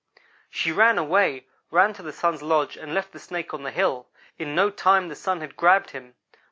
"She ran away; ran to the Sun's lodge and left the Snake on the hill. In no time the Sun had grabbed him.